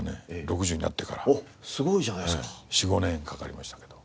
４５年かかりましたけど。